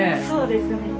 そうですね。